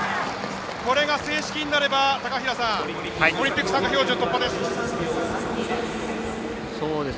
これが正式になればオリンピック参加標準突破です。